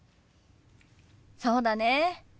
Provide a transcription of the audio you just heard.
そうだね。